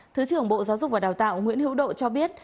thứ trưởng bộ giáo dục và đào tạo nguyễn hữu độ cho biết